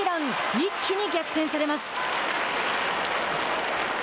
一気に逆転されます。